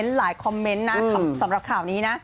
หลายคอมเมนต์นะสำหรับข่าวนี้นะ